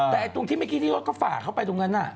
แต่ตรงที่ไม่กินที่รถก็ฝาเข้าไปตรงนั้น